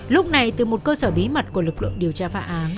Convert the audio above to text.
lúc này từ một cơ sở bí mật của lực lượng điều tra phá án